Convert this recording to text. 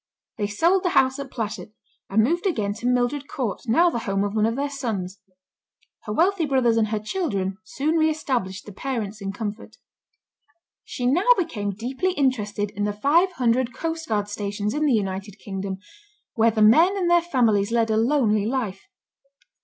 They sold the house at Plashet, and moved again to Mildred Court, now the home of one of their sons. Her wealthy brothers and her children soon re established the parents in comfort. She now became deeply interested in the five hundred Coast Guard stations in the United Kingdom, where the men and their families led a lonely life.